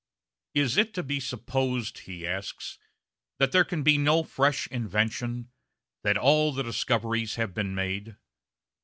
"Is it to be supposed," he asks, "that there can be no fresh invention, that all the discoveries have been made?"